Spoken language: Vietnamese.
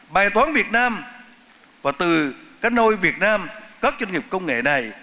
bài toán việt nam và từ các nơi việt nam cắt doanh nghiệp công nghệ này